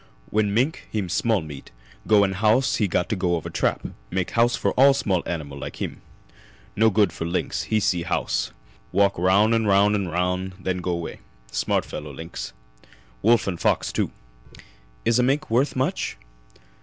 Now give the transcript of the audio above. When mink heem smell meat go in house he got to go over trap. Make house for all small animal like heem. No good for lynx. He see house walk roun' 'n' roun' 'n' roun' and then go 'way. Smart fellow lynx. Wolf and fox, too." "Is a mink worth much?"